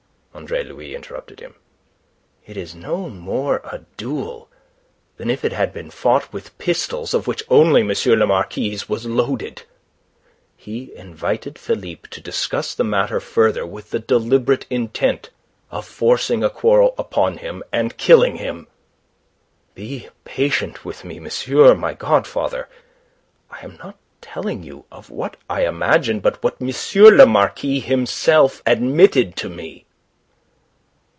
Andre Louis interrupted him. "It is no more a duel than if it had been fought with pistols of which only M. le Marquis's was loaded. He invited Philippe to discuss the matter further, with the deliberate intent of forcing a quarrel upon him and killing him. Be patient with me, monsieur my god father. I am not telling you of what I imagine but what M. le Marquis himself admitted to me."